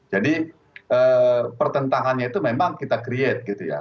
jadi pertentangannya itu memang kita create gitu ya